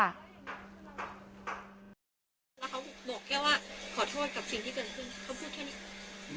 แล้วเขาบอกแค่ว่าขอโทษกับสิ่งที่เกิดขึ้นเขาพูดแค่นี้